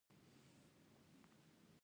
د بوشهر اټومي بټۍ بریښنا تولیدوي.